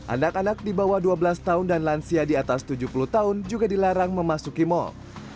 anak anak di bawah dua belas tahun dan lansia di atas tujuh puluh tahun juga dilarang memasuki mal